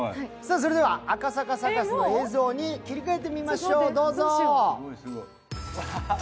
では赤坂サカスの映像に切り替えてみましょう。